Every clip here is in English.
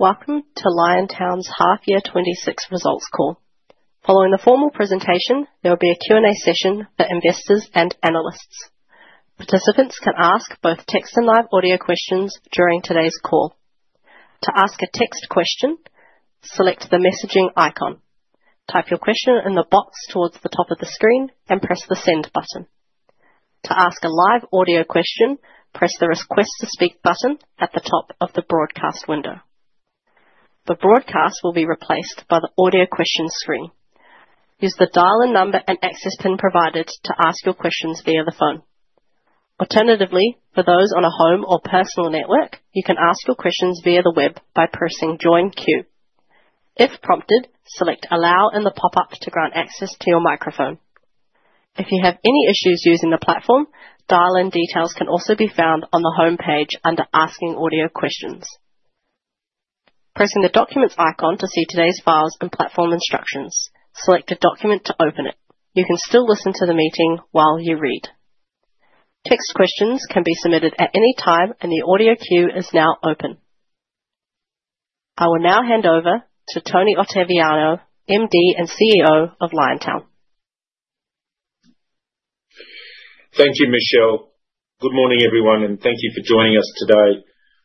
Welcome to Liontown's half year 2026 results call. Following the formal presentation, there will be a Q&A session for investors and analysts. Participants can ask both text and live audio questions during today's call. To ask a text question, select the messaging icon. Type your question in the box towards the top of the screen and press the Send button. To ask a live audio question, press the Request to speak button at the top of the broadcast window. The broadcast will be replaced by the audio question screen. Use the dial in number and access PIN provided to ask your questions via the phone. Alternatively, for those on a home or personal network, you can ask your questions via the web by pressing Join Queue. If prompted, select Allow in the pop up to grant access to your microphone. If you have any issues using the platform, dial in details can also be found on the homepage under Asking Audio Questions. Pressing the Documents icon to see today's files and platform instructions. Select a document to open it. You can still listen to the meeting while you read. Text questions can be submitted at any time and the audio queue is now open. I will now hand over to Tony Ottaviano, MD and CEO of Liontown. Thank you, Michelle. Good morning, everyone, and thank you for joining us today.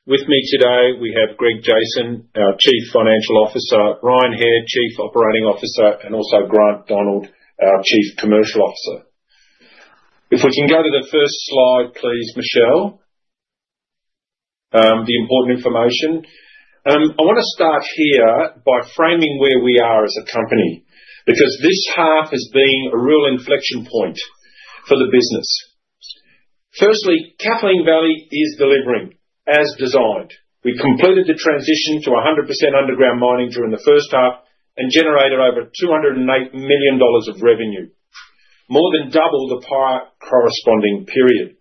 With me today we have Greg Jason, our Chief Financial Officer, Ryan Hair, Chief Operating Officer, and also Grant Donald, our Chief Commercial Officer. If we can go to the first slide, please, Michelle. The important information. I want to start here by framing where we are as a company, because this half has been a real inflection point for the business. Firstly, Kathleen Valley is delivering as designed. We completed the transition to 100% underground mining during the first half and generated over 208 million dollars of revenue, more than double the prior corresponding period.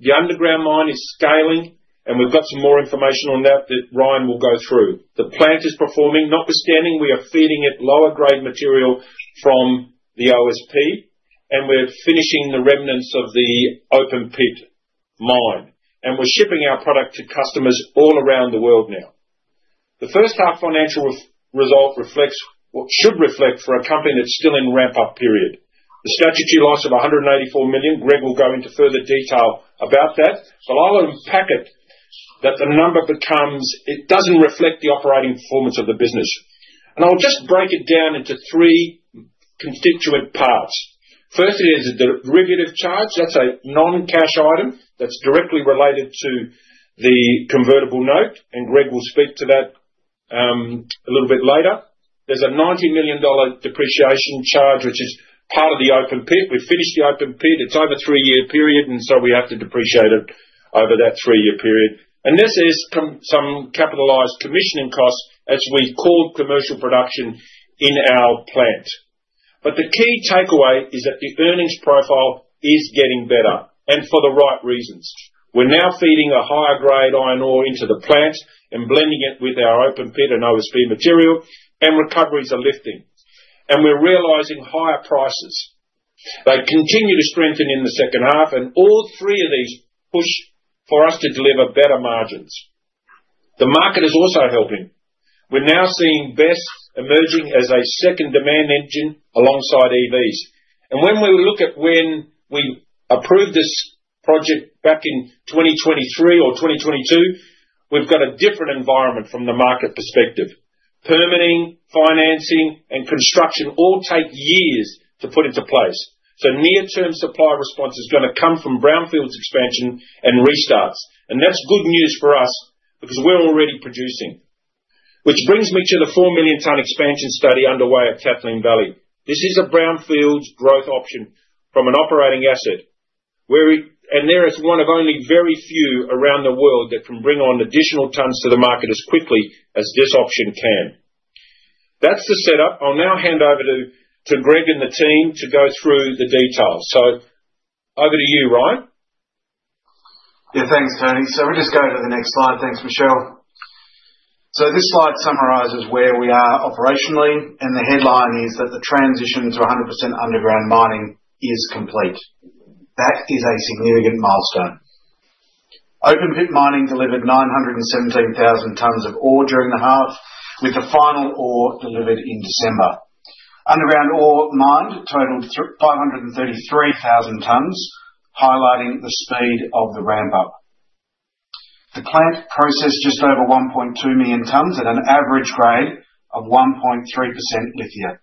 The underground mine is scaling and we've got some more information on that that Ryan will go through. The plant is performing notwithstanding, we are feeding it lower grade material from the OSP and we're finishing the remnants of the open pit mine, and we're shipping our product to customers all around the world now. The first half financial result reflects what should reflect for a company that's still in ramp up period. The statutory loss of 184 million. Greg will go into further detail about that, but I'll unpack it that the number becomes it doesn't reflect the operating performance of the business. I'll just break it down into three constituent parts. Firstly, is a derivative charge, that's a non-cash item that's directly related to the convertible note and Greg will speak to that, a little bit later. There's an 90 million dollar depreciation charge, which is part of the open pit. We've finished the open pit. It's over a three-year period and so we have to depreciate it over that three-year period. This is some capitalized commissioning costs as we've called commercial production in our plant. The key takeaway is that the earnings profile is getting better and for the right reasons. We're now feeding a higher grade ore into the plant and blending it with our open pit and OSP material, and recoveries are lifting. We're realizing higher prices. They continue to strengthen in the second half and all three of these push for us to deliver better margins. The market is also helping. We're now seeing BEVs emerging as a second demand engine alongside EVs. When we look at when we approved this project back in 2023 or 2022, we've got a different environment from the market perspective. Permitting, financing and construction all take years to put into place. Near-term supply response is gonna come from brownfields expansion and restarts. That's good news for us because we're already producing. Which brings me to the 4 million ton expansion study underway at Kathleen Valley. This is a brownfields growth option from an operating asset. There is one of only very few around the world that can bring on additional tons to the market as quickly as this option can. That's the setup. I'll now hand over to Greg and the team to go through the details. Over to you, Ryan. Yeah. Thanks, Tony. We'll just go to the next slide. Thanks, Michelle. This slide summarizes where we are operationally, and the headline is that the transition to 100% underground mining is complete. That is a significant milestone. Open pit mining delivered 917,000 tons of ore during the half, with the final ore delivered in December. Underground ore mined totaled 533,000 tons, highlighting the speed of the ramp up. The plant processed just over 1.2 million tons at an average grade of 1.3% lithium.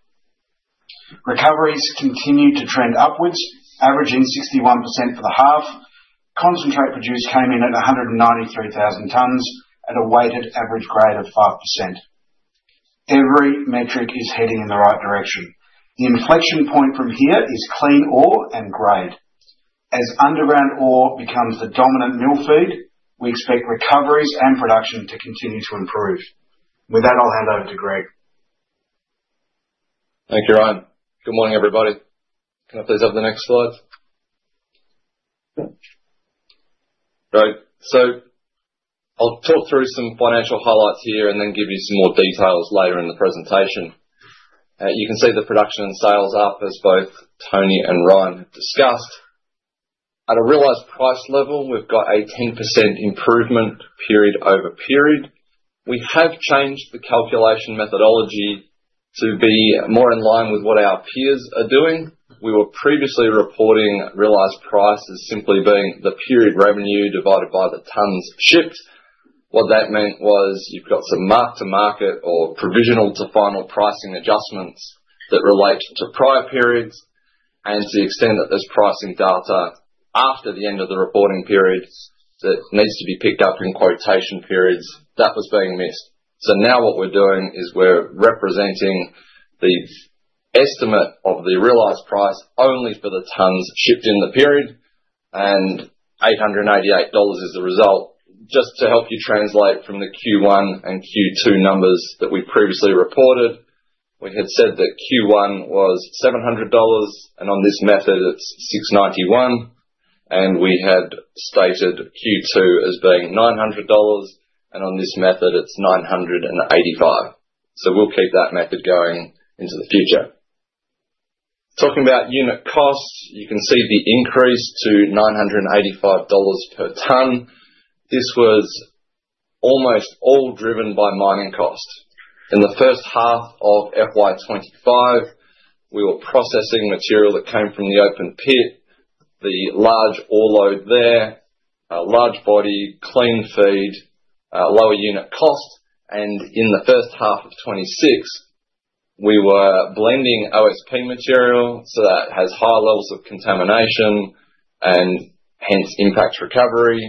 Recoveries continued to trend upwards, averaging 61% for the half. Concentrate produced came in at 193,000 tons at a weighted average grade of 5%. Every metric is heading in the right direction. The inflection point from here is clean ore and grade. As underground ore becomes the dominant mill feed, we expect recoveries and production to continue to improve. With that, I'll hand over to Greg. Thank you, Ryan. Good morning, everybody. Can I please have the next slide? Great. I'll talk through some financial highlights here and then give you some more details later in the presentation. You can see the production and sales up as both Tony and Ryan have discussed. At a realized price level, we've got 18% improvement period over period. We have changed the calculation methodology to be more in line with what our peers are doing. We were previously reporting realized prices simply being the period revenue divided by the tonnes shipped. What that meant was you've got some mark to market or provisional to final pricing adjustments that relate to prior periods and to the extent that there's pricing data after the end of the reporting periods that needs to be picked up in quotation periods that was being missed. Now what we're doing is we're representing the estimate of the realized price only for the tonnes shipped in the period, and $888 is the result. Just to help you translate from the Q1 and Q2 numbers that we previously reported, we had said that Q1 was $700 and on this method it's $691. We had stated Q2 as being $900 and on this method it's $985. We'll keep that method going into the future. Talking about unit costs, you can see the increase to $985 per tonne. This was almost all driven by mining costs. In the first half of FY 2025, we were processing material that came from the open pit, the large ore load there, large body, clean feed, lower unit cost. In the first half of 2026 we were blending OSP material, so that has higher levels of contamination and hence impacts recovery.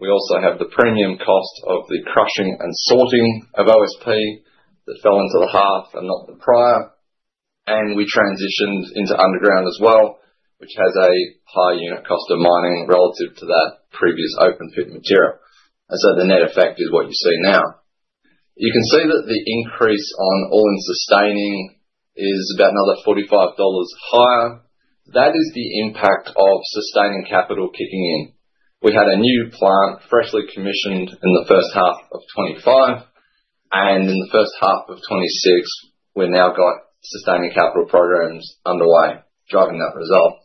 We also have the premium cost of the crushing and sorting of OSP that fell into the half and not the prior. We transitioned into underground as well, which has a higher unit cost of mining relative to that previous open pit material. The net effect is what you see now. You can see that the increase on all-in sustaining is about another $45 higher. That is the impact of sustaining capital kicking in. We had a new plant freshly commissioned in the first half of 2025, and in the first half of 2026 we've now got sustaining capital programs underway, driving that result.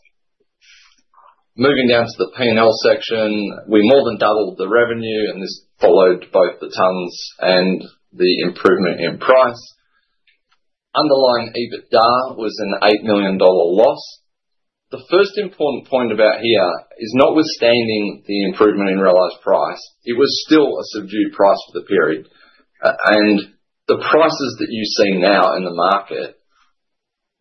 Moving down to the P&L section. We more than doubled the revenue and this followed both the tonnes and the improvement in price. Underlying EBITDA was an 8 million dollar loss. The first important point about here is, notwithstanding the improvement in realized price, it was still a subdued price for the period. And the prices that you see now in the market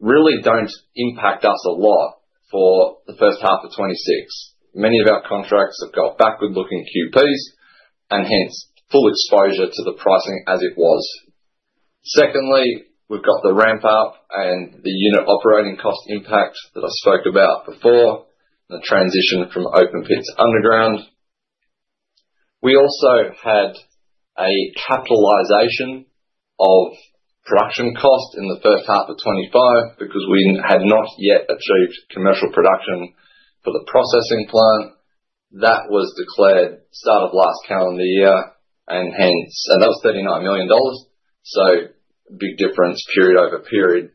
really don't impact us a lot for the first half of 2026. Many of our contracts have got backward-looking QPs and hence full exposure to the pricing as it was. Secondly, we've got the ramp up and the unit operating cost impact that I spoke about before, the transition from open pit to underground. We also had a capitalization of production cost in the first half of 2025 because we had not yet achieved commercial production for the processing plant. That was declared start of last calendar year and hence. That was 39 million dollars. Big difference period-over-period.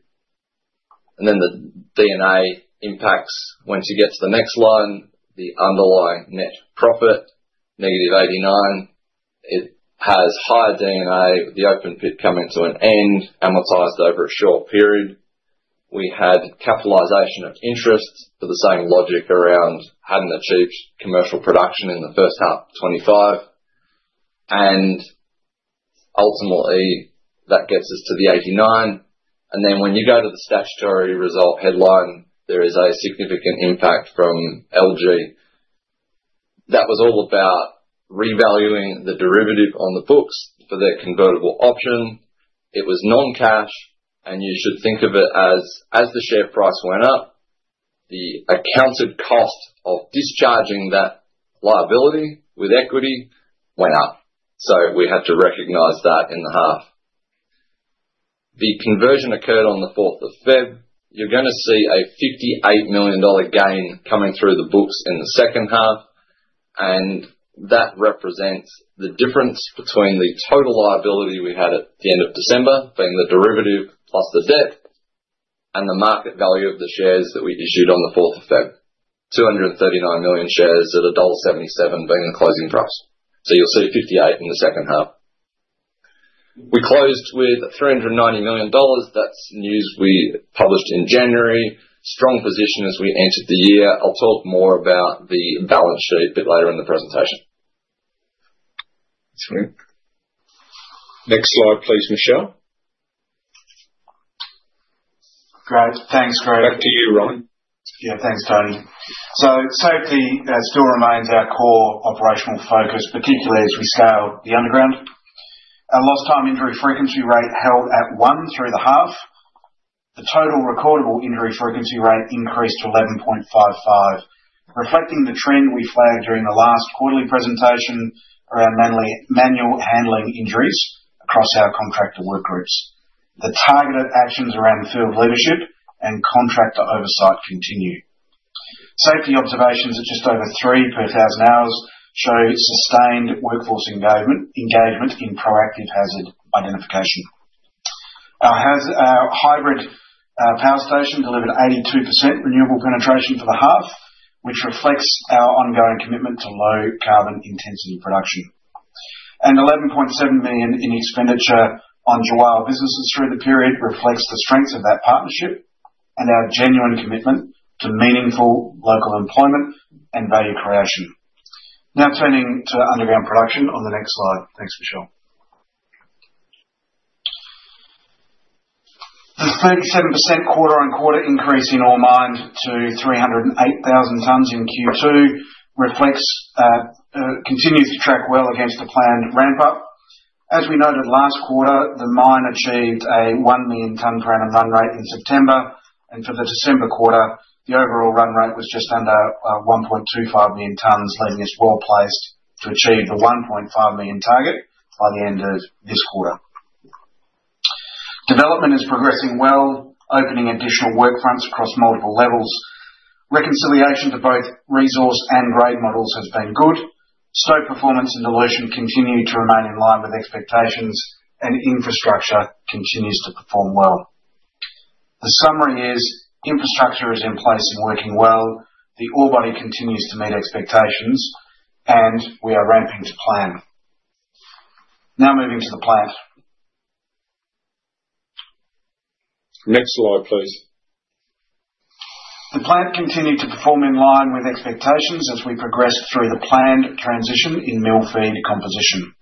Then the D&A impacts once you get to the next line, the underlying net profit, -89. It has higher D&A with the open pit coming to an end, amortized over a short period. We had capitalization of interest for the same logic around having achieved commercial production in the first half of 2025. Ultimately, that gets us to the 89. When you go to the statutory result headline, there is a significant impact from LG. That was all about revaluing the derivative on the books for their convertible option. It was non-cash, and you should think of it as the share price went up, the accounted cost of discharging that liability with equity went up. We had to recognize that in the half. The conversion occurred on the 4th of February. You're gonna see an 58 million dollar gain coming through the books in the second half, and that represents the difference between the total liability we had at the end of December, being the derivative plus the debt, and the market value of the shares that we issued on the fourth of February. 239 million shares at dollar 1.77 being the closing price. You'll see 58 in the second half. We closed with 390 million dollars. That's news we published in January. Strong position as we entered the year. I'll talk more about the balance sheet a bit later in the presentation. Sorry. Next slide, please, Michelle. Great. Thanks, Greg. Back to you, Ryan. Yeah, thanks, Tony. Safety still remains our core operational focus, particularly as we scale the underground. Our lost time injury frequency rate held at one through the half. The total recordable injury frequency rate increased to 11.55, reflecting the trend we flagged during the last quarterly presentation around manual handling injuries across our contractor work groups. The targeted actions around field leadership and contractor oversight continue. Safety observations at just over three per thousand hours show sustained workforce engagement in proactive hazard identification. Our hybrid power station delivered 82% renewable penetration for the half, which reflects our ongoing commitment to low carbon intensity production. 11.7 million in expenditure on Tjiwarl businesses through the period reflects the strengths of that partnership and our genuine commitment to meaningful local employment and value creation. Now turning to underground production on the next slide. Thanks, Michelle. The 37% quarter-on-quarter increase in ore mined to 308,000 tons in Q2 reflects continues to track well against the planned ramp up. As we noted last quarter, the mine achieved a 1 million ton per annum run rate in September. For the December quarter, the overall run rate was just under 1.25 million tons, leaving us well placed to achieve the 1.5 million target by the end of this quarter. Development is progressing well, opening additional work fronts across multiple levels. Reconciliation to both resource and grade models has been good. Stope performance and dilution continue to remain in line with expectations, and infrastructure continues to perform well. The summary is infrastructure is in place and working well. The ore body continues to meet expectations, and we are ramping to plan. Now moving to the plant. Next slide, please. The plant continued to perform in line with expectations as we progressed through the planned transition in mill feed composition.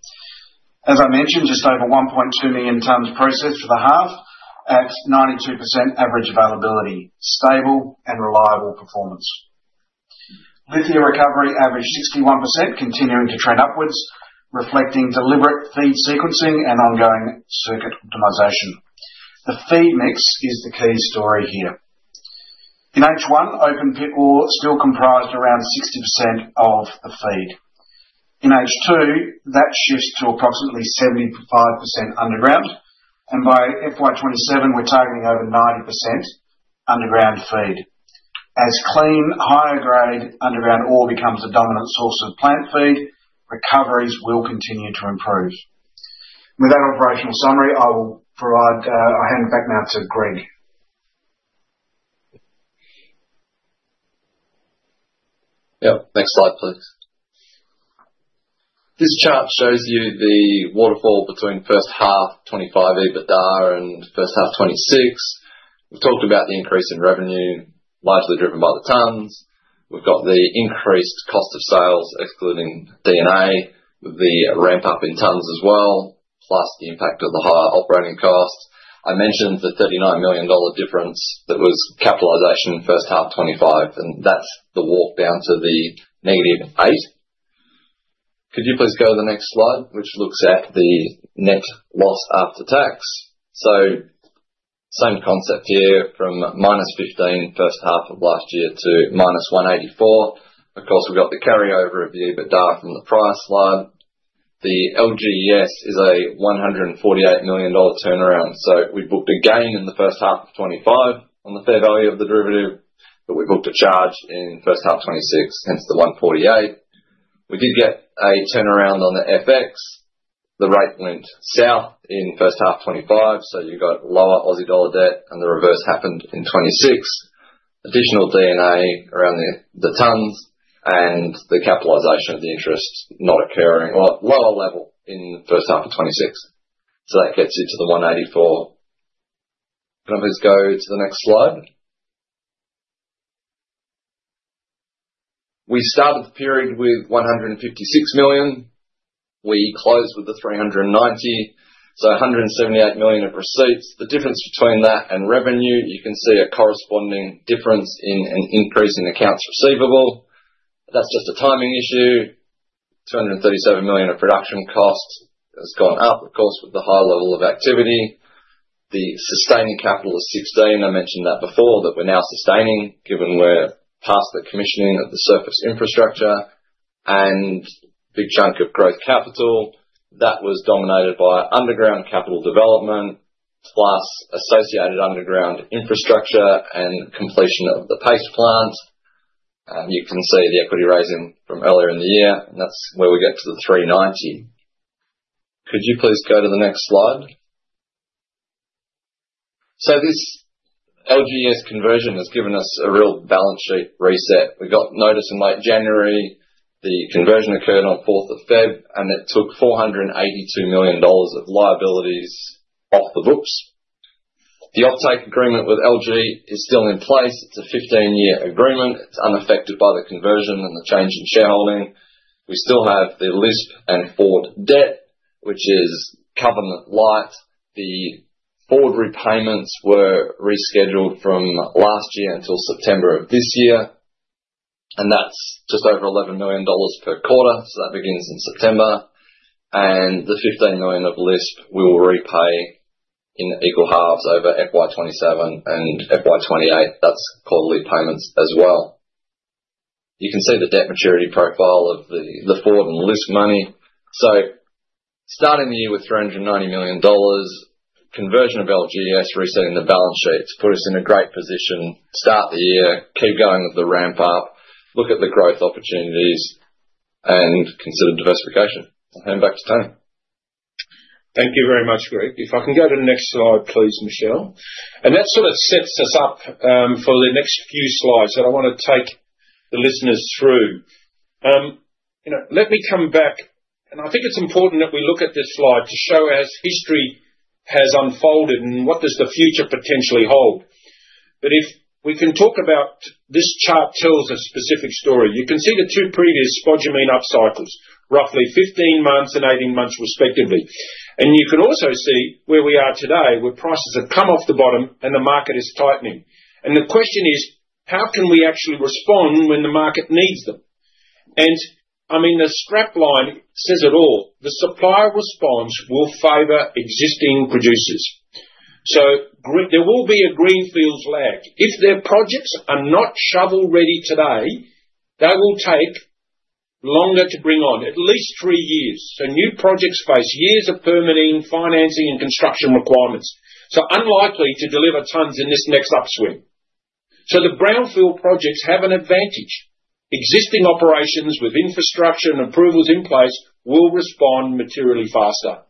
As I mentioned, just over 1.2 million tons processed for the half at 92% average availability, stable and reliable performance. Lithium recovery averaged 61%, continuing to trend upwards, reflecting deliberate feed sequencing and ongoing circuit optimization. The feed mix is the key story here. In H1, open pit ore still comprised around 60% of the feed. In H2, that shifts to approximately 75% underground, and by FY 2027 we're targeting over 90% underground feed. As clean, higher grade underground ore becomes a dominant source of plant feed, recoveries will continue to improve. With that operational summary, I hand back now to Greg. Yep. Next slide, please. This chart shows you the waterfall between first half 2025 EBITDA and first half 2026. We've talked about the increase in revenue, largely driven by the tons. We've got the increased cost of sales excluding D&A, the ramp up in tons as well, plus the impact of the higher operating costs. I mentioned the 39 million dollar difference that was capitalization in first half 2025, and that's the walk down to the -8. Could you please go to the next slide, which looks at the net loss after tax. Same concept here from -15 first half of last year to -184. Of course, we've got the carryover of the EBITDA from the prior slide. The LGES is a 148 million dollar turnaround. We booked a gain in the first half of 2025 on the fair value of the derivative, but we booked a charge in first half 2026, hence the 148 million. We did get a turnaround on the FX. The rate went south in first half 2025, so you got lower Aussie dollar debt and the reverse happened in 2026. Additional D&A around the tons and the capitalization of the interest not occurring or lower level in the first half of 2026. That gets you to the 184 million. Can I please go to the next slide? We started the period with 156 million. We closed with the 390, so 178 million of receipts. The difference between that and revenue, you can see a corresponding difference in an increase in accounts receivable. That's just a timing issue. 237 million of production costs has gone up, of course, with the high level of activity. The sustaining capital of 16 million, I mentioned that before, that we're now sustaining given we're past the commissioning of the surface infrastructure and big chunk of growth capital. That was dominated by underground capital development, plus associated underground infrastructure and completion of the paste plant. You can see the equity raising from earlier in the year, and that's where we get to 390 million. Could you please go to the next slide? This LGES conversion has given us a real balance sheet reset. We got notice in late January. The conversion occurred on 4th of February, and it took 482 million dollars of liabilities off the books. The offtake agreement with LG is still in place. It's a 15-year agreement. It's unaffected by the conversion and the change in shareholding. We still have the LISP and Ford debt, which is covenant light. The Ford repayments were rescheduled from last year until September of this year, and that's just over 11 million dollars per quarter. That begins in September. The 15 million of LISP we will repay in equal halves over FY 2027 and FY 2028. That's quarterly payments as well. You can see the debt maturity profile of the Ford and LISP money. Starting the year with 390 million dollars. Conversion of LGES resetting the balance sheets put us in a great position. Start the year, keep going with the ramp up, look at the growth opportunities. Consider diversification. I'll hand back to Tony. Thank you very much, Greg. If I can go to the next slide, please, Michelle. That sort of sets us up for the next few slides that I wanna take the listeners through. You know, let me come back, and I think it's important that we look at this slide to show as history has unfolded and what does the future potentially hold. If we can talk about this chart tells a specific story. You can see the two previous spodumene upcycles, roughly 15 months and 18 months respectively. You can also see where we are today, where prices have come off the bottom and the market is tightening. The question is: How can we actually respond when the market needs them? I mean, the strap line says it all. The supplier response will favor existing producers. There will be a greenfields lag. If their projects are not shovel-ready today, they will take longer to bring on, at least three years. New projects face years of permitting, financing, and construction requirements, so unlikely to deliver tons in this next upswing. The brownfield projects have an advantage. Existing operations with infrastructure and approvals in place will respond materially faster.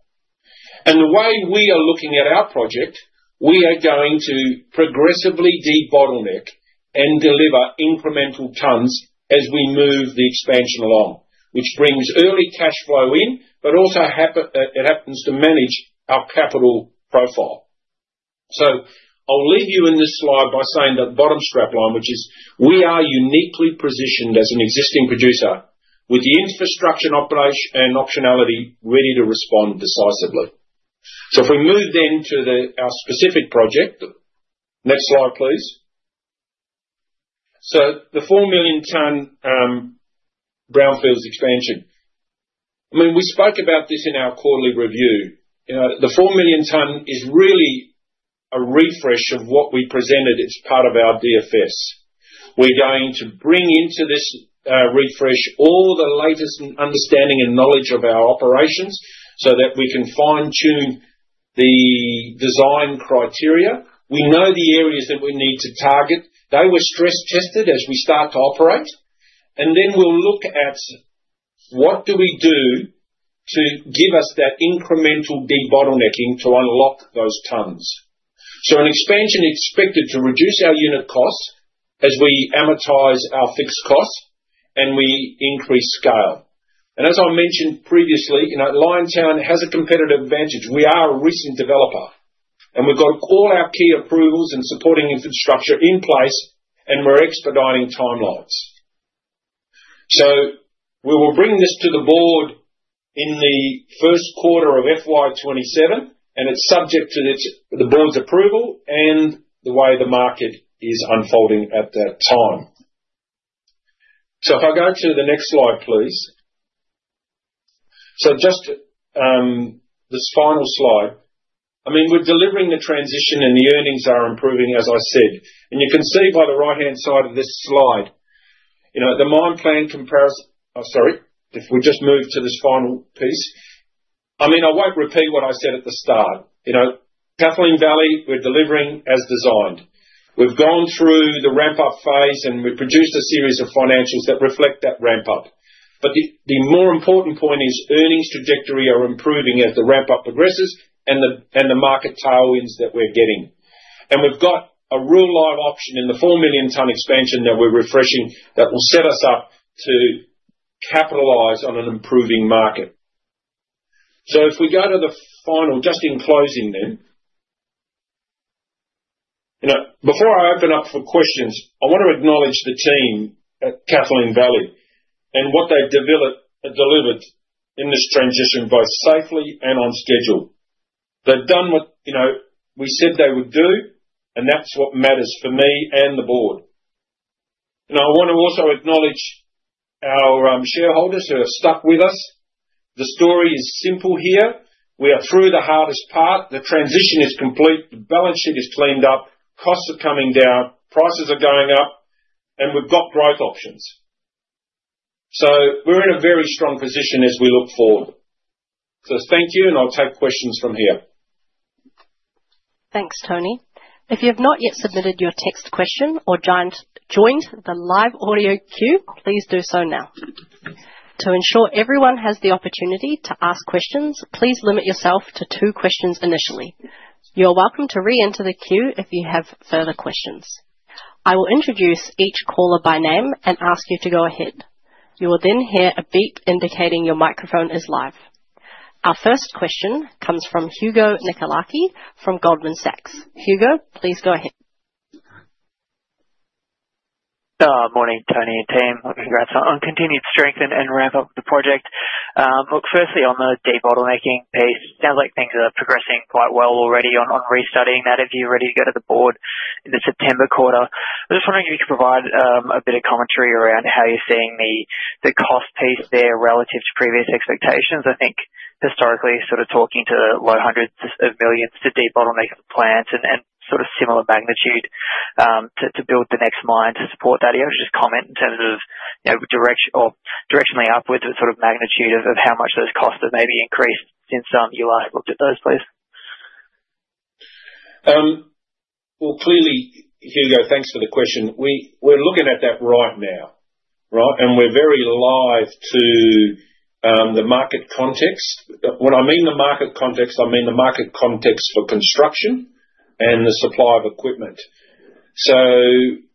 The way we are looking at our project, we are going to progressively debottleneck and deliver incremental tons as we move the expansion along, which brings early cash flow in, but also it happens to manage our capital profile. I'll leave you in this slide by saying that bottom strap line, which is, "We are uniquely positioned as an existing producer with the infrastructure and optionality ready to respond decisively." If we move to our specific project. Next slide, please. The 4 million tonne brownfields expansion. I mean, we spoke about this in our quarterly review. You know, the 4 million tonne is really a refresh of what we presented as part of our DFS. We're going to bring into this refresh all the latest understanding and knowledge of our operations so that we can fine-tune the design criteria. We know the areas that we need to target. They were stress-tested as we start to operate. Then we'll look at what do we do to give us that incremental debottlenecking to unlock those tonnes. An expansion is expected to reduce our unit costs as we amortize our fixed costs and we increase scale. As I mentioned previously, you know, Liontown has a competitive advantage. We are a recent developer, and we've got all our key approvals and supporting infrastructure in place, and we're expediting timelines. We will bring this to the board in the first quarter of FY 2027, and it's subject to the board's approval and the way the market is unfolding at that time. If I go to the next slide, please. Just this final slide. I mean, we're delivering the transition, and the earnings are improving, as I said. You can see by the right-hand side of this slide, you know, the mine plan comparison. Oh, sorry. If we just move to this final piece. I mean, I won't repeat what I said at the start. You know, Kathleen Valley, we're delivering as designed. We've gone through the ramp-up phase, and we've produced a series of financials that reflect that ramp-up. The more important point is earnings trajectory are improving as the ramp-up progresses and the market tailwinds that we're getting. We've got a real live option in the 4 million ton expansion that we're refreshing that will set us up to capitalize on an improving market. If we go to the final, just in closing then. You know, before I open up for questions, I want to acknowledge the team at Kathleen Valley and what they've delivered in this transition, both safely and on schedule. They've done what, you know, we said they would do, and that's what matters for me and the board. I wanna also acknowledge our shareholders who have stuck with us. The story is simple here. We are through the hardest part. The transition is complete. The balance sheet is cleaned up. Costs are coming down. Prices are going up. We've got growth options. We're in a very strong position as we look forward. Thank you, and I'll take questions from here. Thanks, Tony. If you have not yet submitted your text question or joined the live audio queue, please do so now. To ensure everyone has the opportunity to ask questions, please limit yourself to two questions initially. You're welcome to reenter the queue if you have further questions. I will introduce each caller by name and ask you to go ahead. You will then hear a beep indicating your microphone is live. Our first question comes from Hugo Nicolaci from Goldman Sachs. Hugo, please go ahead. Morning, Tony and team. Congrats on continued strength and ramp-up of the project. Look, firstly on the debottlenecking piece. Sounds like things are progressing quite well already on restudying that. If you're ready to go to the board in the September quarter. I'm just wondering if you could provide a bit of commentary around how you're seeing the cost piece there relative to previous expectations. I think historically, sort of talking to the low hundreds of millions AUD to debottleneck the plants and sort of similar magnitude to build the next mine to support that. I was just commenting in terms of, you know, directionally upwards the sort of magnitude of how much those costs have maybe increased since you last looked at those, please. Well, clearly, Hugo, thanks for the question. We're looking at that right now, right? We're very alive to the market context. When I mean the market context, I mean the market context for construction and the supply of equipment.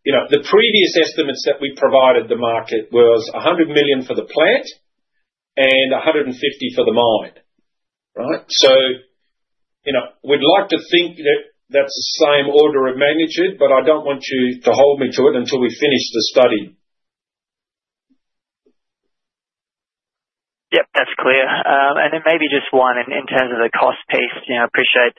You know, the previous estimates that we provided to the market was 100 million for the plant and 150 million for the mine, right? You know, we'd like to think that that's the same order of magnitude, but I don't want you to hold me to it until we finish the study. Yep, that's clear. Maybe just one in terms of the cost piece. You know, I appreciate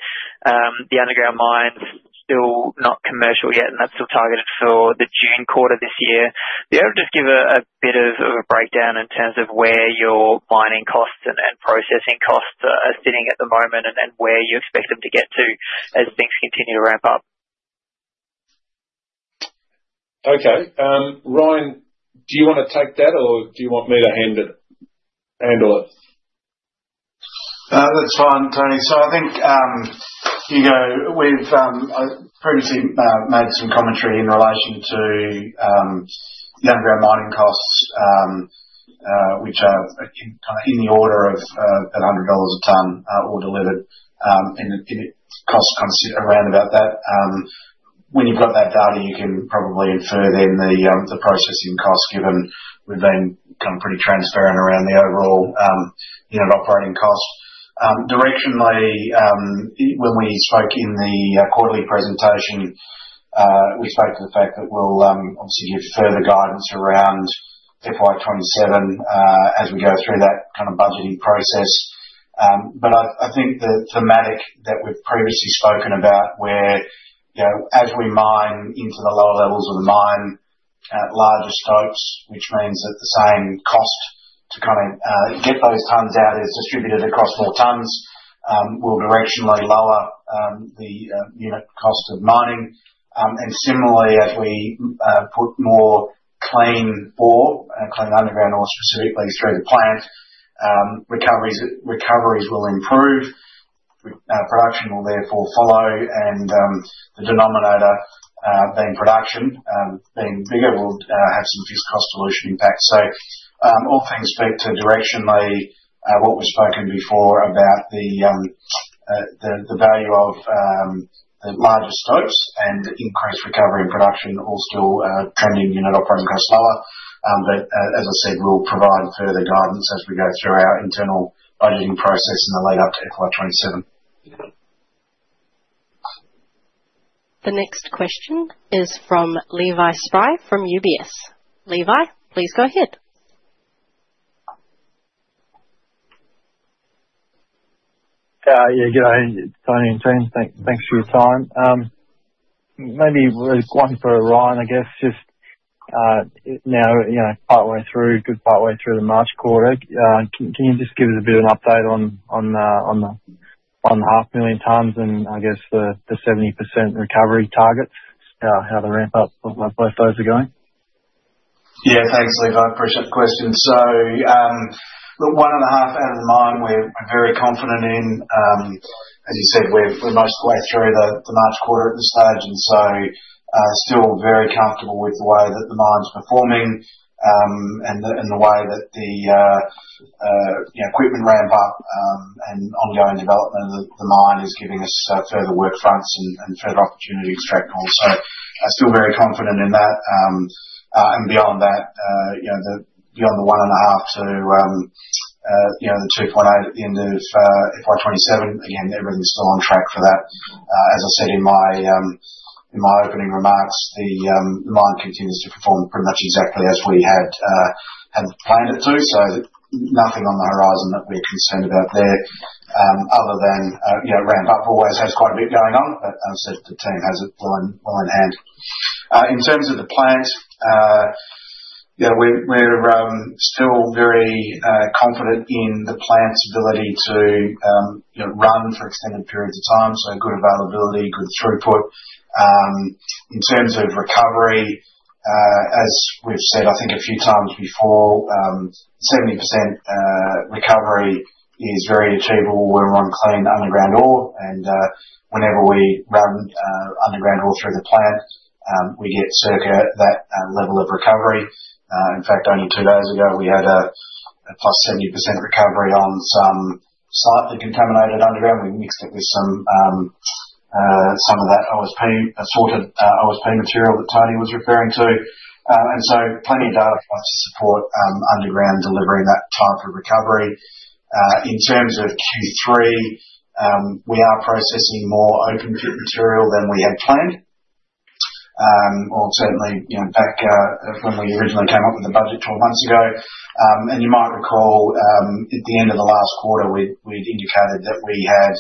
the underground mine's still not commercial yet, and that's still targeted for the June quarter this year. Be able to just give a bit of a breakdown in terms of where your mining costs and processing costs are sitting at the moment and then where you expect them to get to as things continue to ramp up? Okay. Ryan, do you wanna take that or do you want me to handle it? That's fine, Tony. I think, Hugo, we've previously made some commentary in relation to the underground mining costs, which are kind of in the order of AUD 100 a ton, all delivered, and the costs kind of sit around about that. When you've got that data, you can probably infer then the processing cost, given we've become pretty transparent around the overall unit operating cost. Directionally, when we spoke in the quarterly presentation, we spoke to the fact that we'll obviously give further guidance around FY 2027, as we go through that kind of budgeting process. I think the thematic that we've previously spoken about, where, you know, as we mine into the lower levels of the mine at larger scopes, which means that the same cost to kind of get those tons out is distributed across more tons, will directionally lower the unit cost of mining. Similarly, as we put more clean ore, clean underground ore specifically through the plant, recoveries will improve. Production will therefore follow and the denominator, being production, being bigger will have some fixed cost dilution impact. All things speak to directionally what we've spoken before about the value of the larger scopes and increased recovery and production all still trending unit operating cost lower. As I said, we'll provide further guidance as we go through our internal budgeting process in the lead up to FY 2027. The next question is from Levi Spry from UBS. Levi, please go ahead. Yeah, good day, Tony and team. Thanks for your time. Maybe really one for Ryan, I guess. Just now, you know, partway through, good partway through the March quarter, can you just give us a bit of an update on the 500,000 tons and I guess the 70% recovery target? How the ramp up of both those are going? Yeah. Thanks, Levi. I appreciate the question. The 1.5 out of the mine we're very confident in. As you said, we're most of the way through the March quarter at this stage, still very comfortable with the way that the mine's performing, and the way that, you know, equipment ramp up, and ongoing development of the mine is giving us further work fronts and further opportunities to track on. I'm still very confident in that. Beyond that, you know, beyond the 1.5 to the 2.8 at the end of FY 2027, again, everything's still on track for that. As I said in my opening remarks, the mine continues to perform pretty much exactly as we had planned it to. Nothing on the horizon that we're concerned about there, other than you know, ramp up always has quite a bit going on, but as I said, the team has it all in hand. In terms of the plant, you know, we're still very confident in the plant's ability to you know, run for extended periods of time. Good availability, good throughput. In terms of recovery, as we've said, I think a few times before, 70% recovery is very achievable. We're on clean underground ore and whenever we run underground ore through the plant, we get circa that level of recovery. In fact, only two days ago, we had a +70% recovery on some slightly contaminated underground. We mixed it with some of that OSP material that Tony was referring to. Plenty of data for us to support underground delivering that type of recovery. In terms of Q3, we are processing more open pit material than we had planned. Or certainly, you know, back when we originally came up with the budget 12 months ago. You might recall at the end of the last quarter, we'd indicated that we had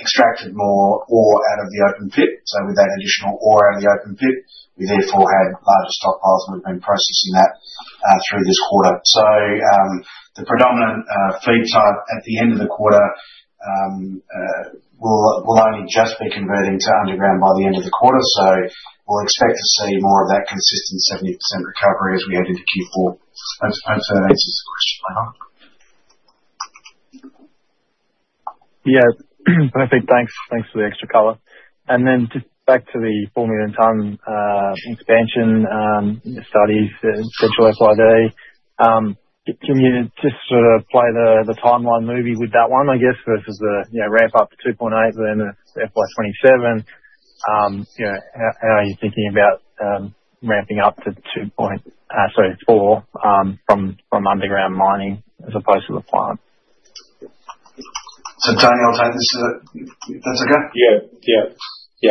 extracted more ore out of the open pit. With that additional ore out of the open pit, we therefore had larger stockpiles, and we've been processing that through this quarter. The predominant feed type at the end of the quarter will only just be converting to underground by the end of the quarter. We'll expect to see more of that consistent 70% recovery as we head into Q4. Hope that answers the question, Levi. Yeah. Perfect. Thanks. Thanks for the extra color. Then just back to the 4 million ton expansion studies for FY 2027. Can you just sort of play the timeline movie with that one, I guess, versus the, you know, ramp up to 2.8 within the FY 2027? You know, how are you thinking about ramping up to 4 from underground mining as opposed to the plant? Tony, I'll take this. That's okay? Yeah.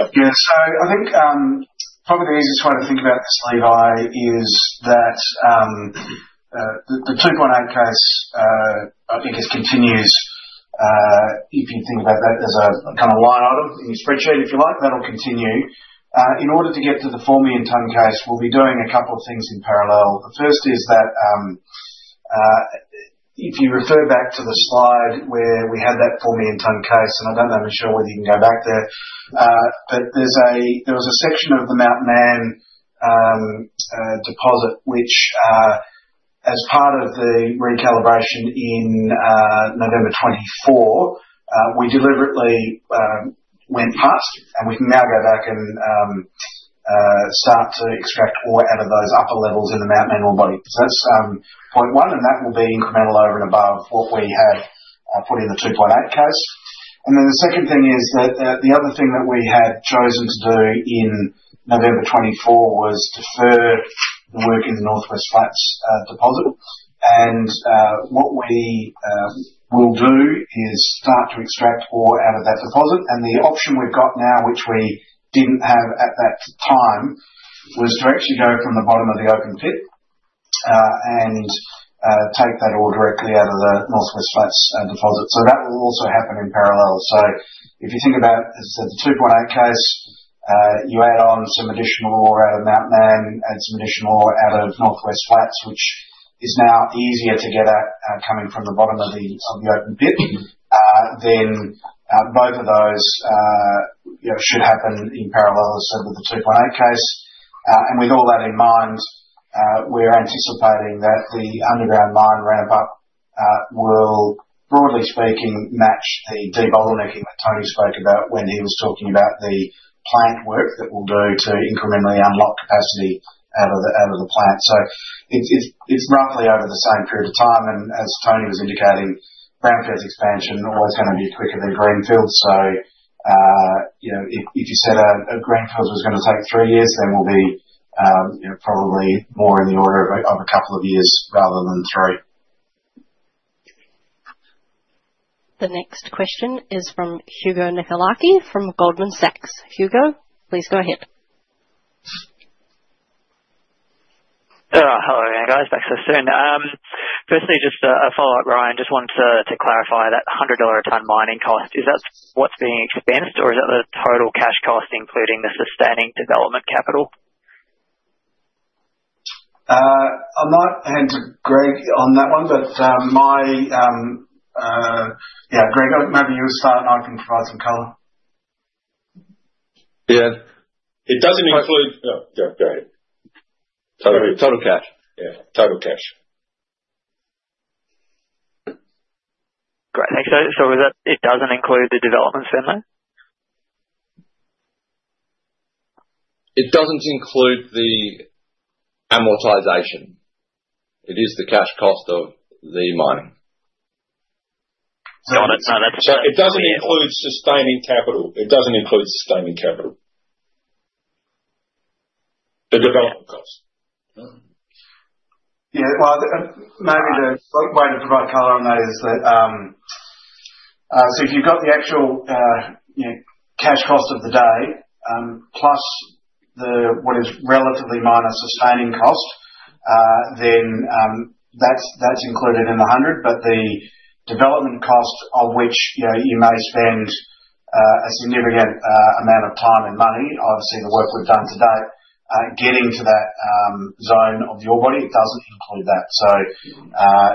I think probably the easiest way to think about this, Levi, is that the 2.8 case I think just continues. In order to get to the 4 million tonne case, we'll be doing a couple of things in parallel. The first is that if you refer back to the slide where we had that 4 million tonne case, and I don't know for sure whether you can go back there. There was a section of the Mount Mann deposit which, as part of the recalibration in November 2024, we deliberately went past, and we can now go back and start to extract ore out of those upper levels in the Mount Mann ore body. That's point one, and that will be incremental over and above what we have put in the 2.8 case. The second thing is that the other thing that we had chosen to do in November 2024 was defer the work in the Northwest Flats deposit. What we will do is start to extract ore out of that deposit. The option we've got now, which we didn't have at that time, was to actually go from the bottom of the open pit, and take that ore directly out of the Northwest Flats deposit. That will also happen in parallel. If you think about the 2.8 case, you add on some additional ore out of Mount Mann and some additional ore out of Northwest Flats, which is now easier to get at, coming from the bottom of the open pit, then both of those, you know, should happen in parallel. With the 2.8 case, and with all that in mind, we're anticipating that the underground mine ramp up will, broadly speaking, match the de-bottlenecking that Tony spoke about when he was talking about the plant work that we'll do to incrementally unlock capacity out of the plant. It's roughly over the same period of time, and as Tony was indicating, brownfields expansion is always gonna be quicker than greenfield. You know, if you said a greenfield was gonna take 3 years, then we'll be, you know, probably more in the order of a couple of years rather than 3. The next question is from Hugo Nicolaci from Goldman Sachs. Hugo, please go ahead. Hello again, guys. Back so soon. Firstly, just a follow-up, Ryan. Just wanted to clarify that 100 dollar a ton mining cost. Is that what's being expensed or is that the total cash cost, including the sustaining development capital? I might hand to Greg on that one, but yeah, Greg, maybe you start, and I can provide some color. Yeah. Oh, yeah, go ahead. Total cash. Yeah, total cash. Great. Thanks. Is that? It doesn't include the development spend, though? It doesn't include the amortization. It is the cash cost of the mining. Got it. It doesn't include sustaining capital. The development cost. Yeah. Well, maybe the best way to provide color on that is that, so if you've got the actual, you know, cash cost of the day, plus what is relatively minor sustaining cost, then that's included in the hundred. The development cost of which, you know, you may spend a significant amount of time and money, obviously the work we've done to date, getting to that zone of the ore body doesn't include that.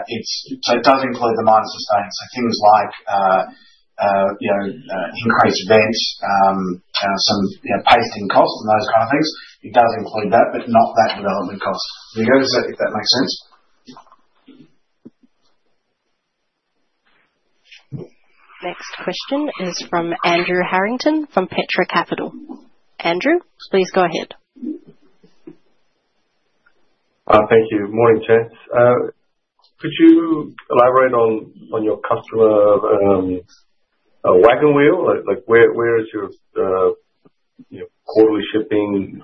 It does include the minor sustains, so things like, you know, increased vent, some, you know, pasting costs and those kind of things. It does include that, but not that development cost. Hugo, if that makes sense. Next question is from Andrew Harrington from Petra Capital. Andrew, please go ahead. Thank you. Morning, gents. Could you elaborate on your customer, Wagon Wheel? Like where is your, you know, quarterly shipping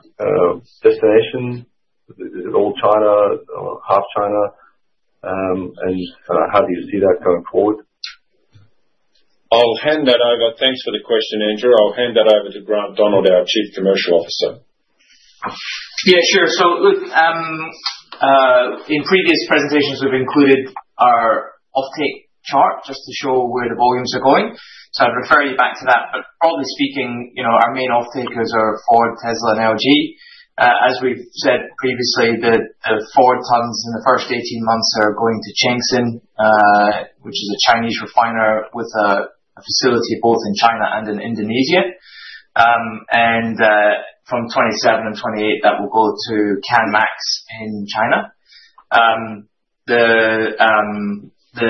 destination? Is it all China or half China? How do you see that going forward? I'll hand that over. Thanks for the question, Andrew. I'll hand that over to Grant Donald, our Chief Commercial Officer. Yeah, sure. Look, in previous presentations, we've included our offtake chart just to show where the volumes are going. I'd refer you back to that. Broadly speaking, you know, our main off-takers are Ford, Tesla and LG. As we've said previously, the Ford tons in the first 18 months are going to Chengxin, which is a Chinese refiner with a facility both in China and in Indonesia. From 2027 and 2028 that will go to Canmax in China. The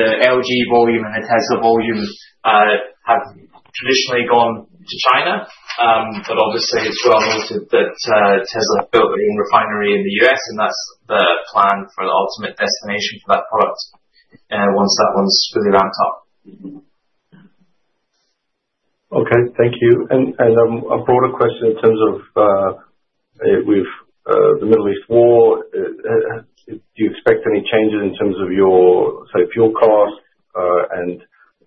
LG volume and the Tesla volume have traditionally gone to China. Obviously it's well noted that Tesla built a refinery in the U.S. and that's the plan for the ultimate destination for that product once that one's fully ramped up. Okay. Thank you. A broader question in terms of with the Middle East war, do you expect any changes in terms of your, say, fuel costs, and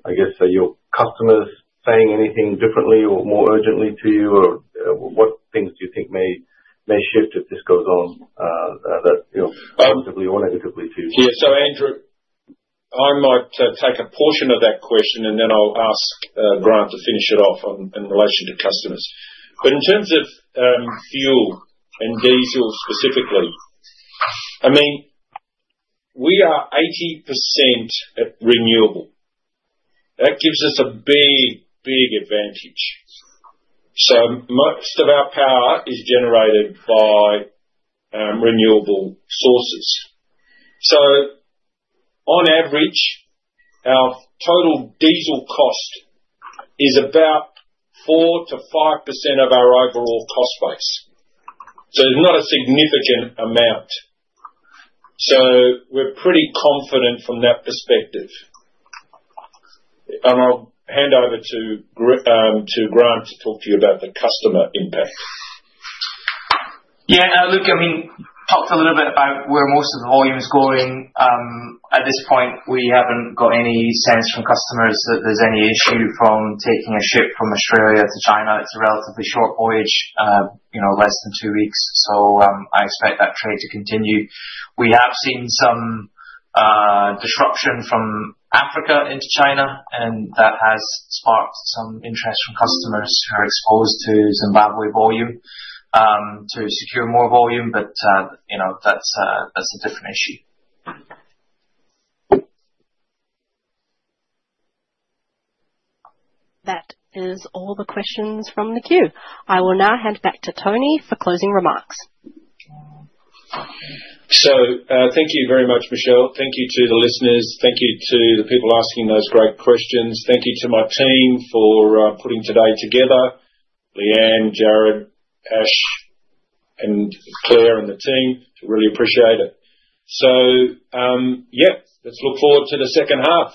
I guess, are your customers saying anything differently or more urgently to you? Or what things do you think may shift if this goes on, that, you know, positively or negatively to you? Yeah. Andrew, I might take a portion of that question, and then I'll ask Grant to finish it off in relation to customers. But in terms of fuel and diesel specifically, I mean, we are 80% renewable. That gives us a big, big advantage. Most of our power is generated by renewable sources. On average, our total diesel cost is about 4%-5% of our overall cost base. It's not a significant amount. We're pretty confident from that perspective. I'll hand over to Grant to talk to you about the customer impact. Yeah. No, look, I mean, talked a little bit about where most of the volume is going. At this point, we haven't got any sense from customers that there's any issue from taking a ship from Australia to China. It's a relatively short voyage, you know, less than two weeks. I expect that trade to continue. We have seen some disruption from Africa into China, and that has sparked some interest from customers who are exposed to Zimbabwe volume, to secure more volume. You know, that's a different issue. That is all the questions from the queue. I will now hand back to Tony for closing remarks. Thank you very much, Michelle. Thank you to the listeners. Thank you to the people asking those great questions. Thank you to my team for putting today together. Leanne, Jared, Ash, and Claire and the team, really appreciate it. Yeah, let's look forward to the second half.